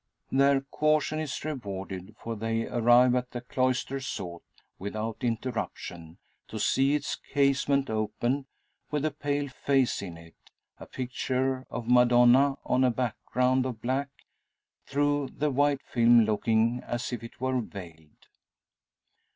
Their caution is rewarded; for they arrive at the cloister sought, without interruption, to see its casement open, with a pale face in it a picture of Madonna on a back ground of black, through the white film looking as if it were veiled.